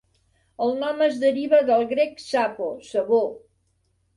El nom es deriva del grec "sapo", sabó.